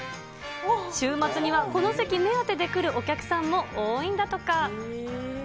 週末にはこの席目当てで来るお客さんも多いんだとか。